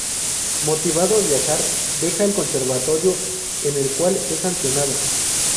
Motivado a viajar, deja el conservatorio, en el cual es sancionado.